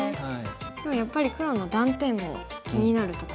でもやっぱり黒の断点も気になるところですよね。